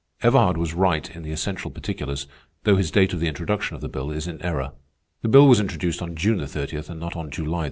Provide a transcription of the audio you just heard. Everhard was right in the essential particulars, though his date of the introduction of the bill is in error. The bill was introduced on June 30, and not on July 30.